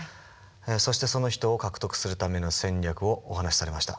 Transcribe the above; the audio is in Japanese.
そしてその人を獲得するための戦略をお話しされました。